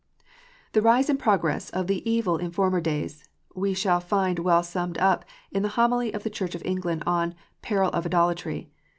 The rise and progress of the evil in former days, we shall find well summed up in the Homily of the Church of England on " Peril of Idolatry."